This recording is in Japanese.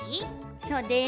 そうです！